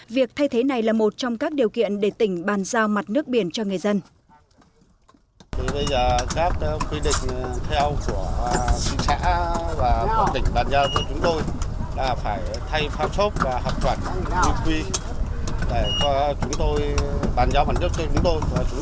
việc thay thế này là một trong các điều kiện để tỉnh bàn giao mặt nước biển cho người dân